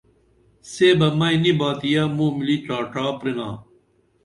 سے بہ مئی نی باتِیہ موں ملی ڇاڇا پرینا